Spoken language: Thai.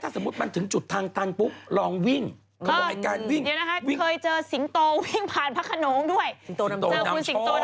แสดงว่าพี่สิ่งตัววิ่งอยู่แล้ว